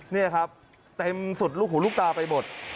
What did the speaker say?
นี่ครับเต็มสุดลูกหูลูกตาไปหมด